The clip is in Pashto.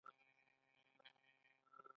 انټرنیټ څنګه معلومات لیږدوي؟